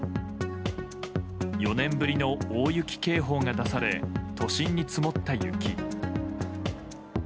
４年ぶりの大雪警報が出され都心に積もった雪。